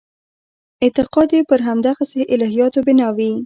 اعتقاد یې پر همدغسې الهیاتو بنا وي.